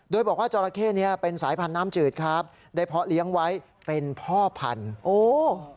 โดยบอกว่าเจ้าแรคนี้เป็นสายพันธุ์น้ำจืดได้เพราะเลี้ยงไว้เป็นเพาะพันธุ์